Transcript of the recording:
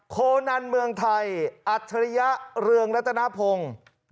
โคนันเมืองไทยอัจฉริยะเรืองรัตนพงศ์